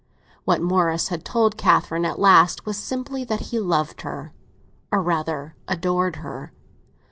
What Morris had told Catherine at last was simply that he loved her, or rather adored her.